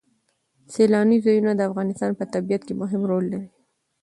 سیلانی ځایونه د افغانستان په طبیعت کې مهم رول لري.